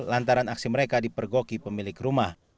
lantaran aksi mereka dipergoki pemilik rumah